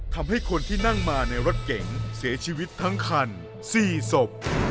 ทำให้คนที่นั่งมาในรถเก๋งเสียชีวิตทั้งคัน๔ศพ